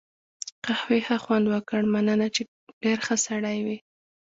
قهوې ښه خوند وکړ، مننه، چې ډېر ښه سړی وې.